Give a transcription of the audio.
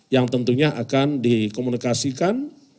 yang tentunya akan dikomunikasikan